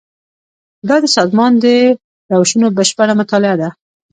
دا د سازمان د روشونو بشپړه مطالعه ده.